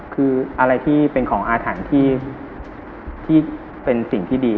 คืออะไรที่เป็นของอาถรรพ์ที่เป็นสิ่งที่ดี